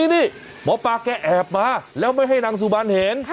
นี่หมอปลาแกแอบมาแล้วไม่ให้นางสุบันเห็น